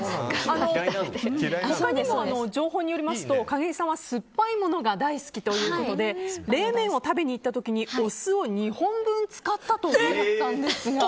他にも情報によりますと景井さんは酸っぱいものが大好きということで冷麺を食べに入れに行った時にお酢を２本分使ったと。